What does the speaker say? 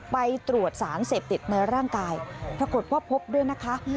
ไปตรวจสารเสพติดในร่างกายปรากฏว่าพบด้วยนะคะ